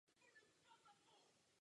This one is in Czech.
Oči směřují dopředu.